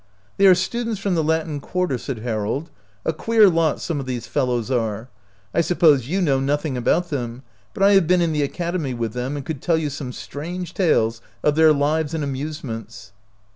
" They are students from the Latin Quar ter," said Harold. "A queer lot some of these fellows are. I suppose you know nothing about them ; but I have been in the academy with them, and could tell you some strange tales of their lives and amuse ments."